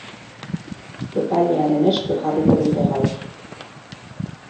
Epailearen esku jarriko dute gaur.